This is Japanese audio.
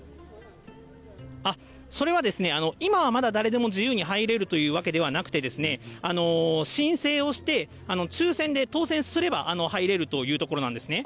それは、今はまだ誰でも自由に入れるというわけではなくて、申請をして、抽せんで当せんすれば、入れるというところなんですね。